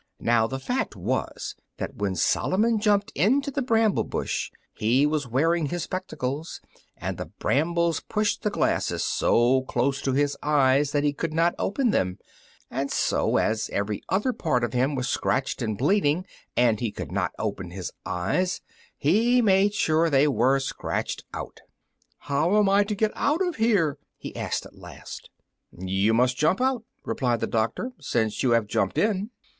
Now the fact was that when Solomon jumped into the bramble bush he was wearing his spectacles, and the brambles pushed the glasses so close against his eyes that he could not open them; and so, as every other part of him was scratched and bleeding, and he could not open his eyes, he made sure they were scratched out. "How am I to get out of here?" he asked at last. "You must jump out," replied the doctor, "since you have jumped in."